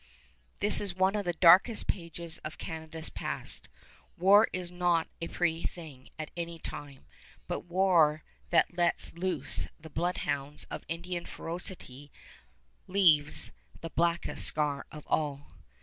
This is one of the darkest pages of Canada's past. War is not a pretty thing at any time, but war that lets loose the bloodhounds of Indian ferocity leaves the blackest scar of all.